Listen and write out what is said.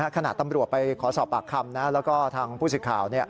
ขณะตำรวจไปขอสอบปากคำแล้วก็ทางผู้สื่อข่าว